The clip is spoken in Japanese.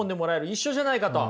一緒じゃないかと。